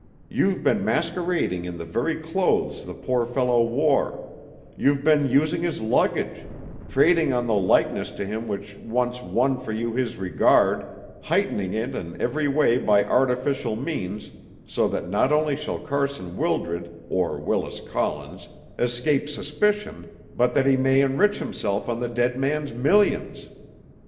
You've been masquerading in the very clothes the poor fellow wore, you've been using his luggage, trading on the likeness to him which once won for you his regard, heightening it in every way by artificial means, so that not only shall Carson Wildred, or Willis Collins, escape suspicion, but that he may enrich himself on the dead man's millions.